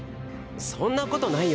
そんなことないよ。